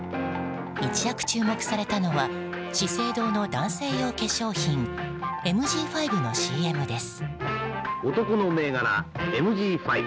一躍、注目されたのは資生堂の男性用化粧品ＭＧ５のＣＭです。